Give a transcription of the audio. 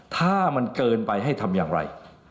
ถ้ามันเกินไปให้ทำอย่างไร